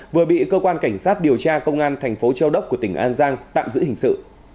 vừa bị cơ quan cảnh sát điều tra công an thành phố châu đốc của tỉnh an giang tạm giữ hình sự